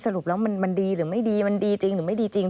สรุปแล้วมันดีหรือไม่ดีมันดีจริงหรือไม่ดีจริง